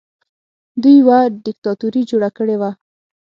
دوی یوه دیکتاتوري جوړه کړې وه